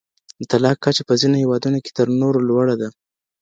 د طلاق کچه په ځینو هیوادونو کې تر نورو لوړه ده.